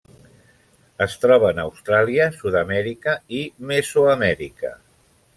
Es troben a Austràlia, Sud-amèrica i Mesoamèrica.